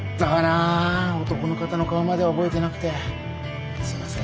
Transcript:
あ男の方の顔までは覚えてなくてすいません。